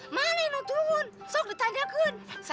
tak lain nilai pun tersila jual yang digunakan